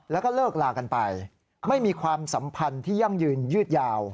แล้วก็เลิกลากันไปไม่มีความสัมพันธ์ที่ยั่งยืนยืดยาว